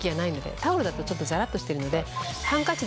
タオルだとちょっとザラっとしてるので。